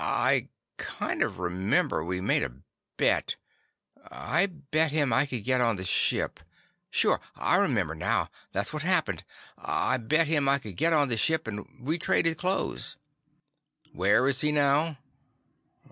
"I kind of remember we made a bet. I bet him I could get on the ship. Sure—I remember, now. That's what happened; I bet him I could get on the ship and we traded clothes." "Where is he now?"